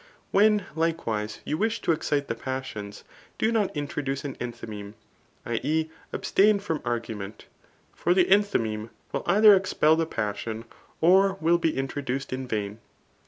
When, likewise, you wish to excite the passions, do not mtroduce an enthymeme [i. e« abstain from drgu« ment y] for the enthymeme will either expel the passion^ or will be introduced in vain.